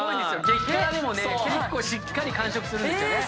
激辛でもね結構しっかり完食するんですよ。